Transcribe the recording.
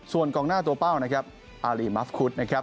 ส่วนกล่องหน้าตัวเป้าอารีมัฟคุศ